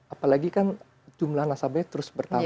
apalagi kan jumlah nasabahnya terus bertambah